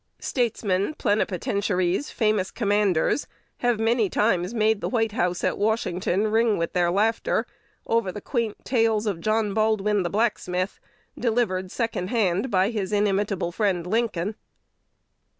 Statesmen, plenipotentiaries, famous commanders, have many times made the White House at Washington ring with their laughter over the quaint tales of John Baldwin, the blacksmith, delivered second hand by his inimitable friend Lincoln.